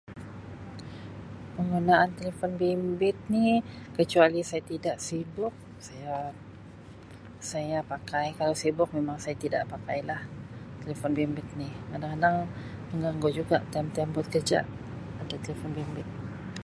Penggunaan telefon bimbit ni kecuali saya tidak sibuk saya saya pakai kalau sibuk memang saya tidak pakai lah telefon bimbit ni kadang-kadang menggangu juga time time buat kerja pakai telefon bimbit.